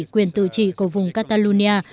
quyền tự trị của vùng catalonia